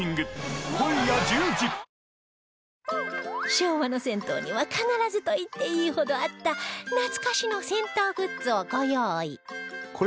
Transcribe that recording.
昭和の銭湯には必ずと言っていいほどあった懐かしの銭湯グッズをご用意